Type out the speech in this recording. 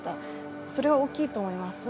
それは大きいと思います。